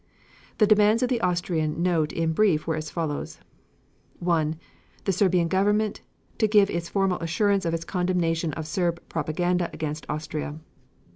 The demands of the Austrian note in brief were as follows: 1. The Serbian Government to give formal assurance of its condemnation of Serb propaganda against Austria.